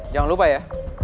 jangan lupa ya